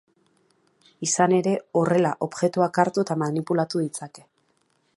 Izan ere, horrela objektuak hartu eta manipulatu ditzake.